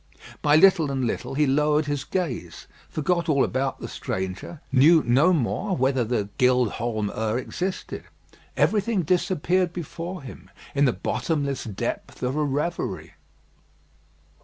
By little and little he lowered his gaze, forgot all about the stranger knew no more whether the "Gild Holm 'Ur" existed. Everything disappeared before him in the bottomless depth of a reverie.